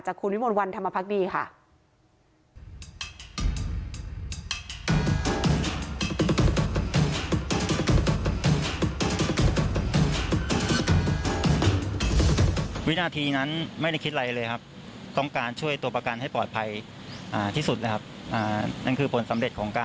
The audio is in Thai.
คุณวิมลวันธรรมพักดีค่ะ